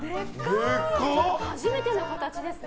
初めての形ですね。